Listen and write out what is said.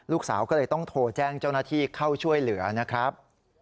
ลูกสาวก็เลยต้องโทรแจ้งเจ้าหน้าที่เข้าช่วยเหลือนะครับ